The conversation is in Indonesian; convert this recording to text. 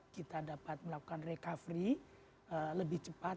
kita dapat melakukan recovery lebih cepat